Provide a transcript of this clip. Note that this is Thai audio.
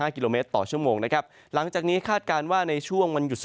กิโลเมตรต่อชั่วโมงนะครับหลังจากนี้คาดการณ์ว่าในช่วงวันหยุด